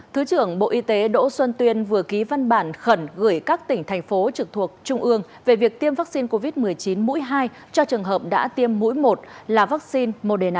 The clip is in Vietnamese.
thứ trưởng bộ y tế đỗ xuân tuyên vừa ký văn bản khẩn gửi các tỉnh thành phố trực thuộc trung ương về việc tiêm vaccine covid một mươi chín mũi hai cho trường hợp đã tiêm mũi một là vaccine năm